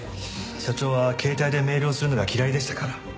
社長は携帯でメールをするのが嫌いでしたから。